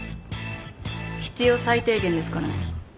必要最低限ですからね。